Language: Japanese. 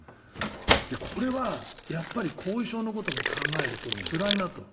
これはやっぱり後遺症のことも考えると、つらいなと。